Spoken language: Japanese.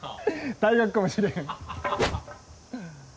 退学かもしれへん！